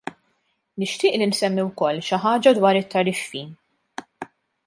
Nixtieq li nsemmi wkoll xi ħaġa dwar it-tariffi.